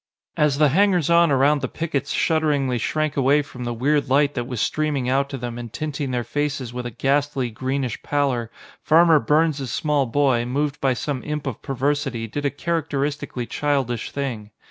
As the hangers on around the pickets shudderingly shrank away from the weird light that was streaming out to them and tinting their faces with a ghastly, greenish pallor, Farmer Burns' small boy, moved by some imp of perversity, did a characteristically childish thing.